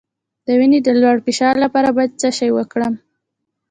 د وینې د لوړ فشار لپاره باید څه شی وکاروم؟